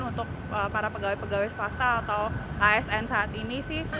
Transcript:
untuk para pegawai pegawai swasta atau asn saat ini sih